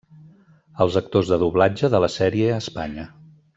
Els actors de doblatge de la sèrie a Espanya.